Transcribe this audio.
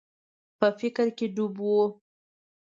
په فکر کي ډوب و.